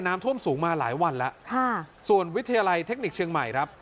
น้ำท่วมสูงมาหลายวันแล้วค่ะส่วนวิทยาลัยเทคนิคเชียงใหม่ครับ